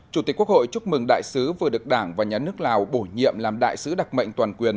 chủ tịch quốc hội chúc mừng đại sứ vừa được đảng và nhà nước lào bổ nhiệm làm đại sứ đặc mệnh toàn quyền